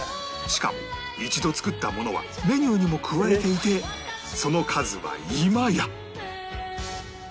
しかも一度作ったものはメニューにも加えていてその数は今や